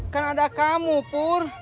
kan ada kamu pur